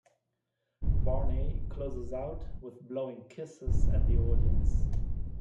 Barney closes out with blowing kisses at the audience.